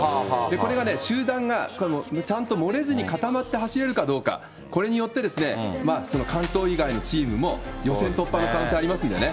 これが集団が、ちゃんと漏れずに固まって走れるかどうか、これによって、その関東以外のチームも予選突破の可能性ありますんでね。